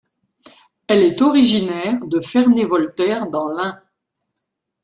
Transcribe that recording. Elle est originaire de Ferney-Voltaire dans l'Ain.